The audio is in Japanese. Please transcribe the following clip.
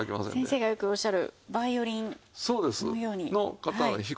先生がよくおっしゃるバイオリンのようにはい。